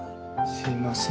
すみません。